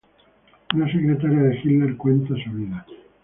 Una secretaria de Hitler cuenta su vida".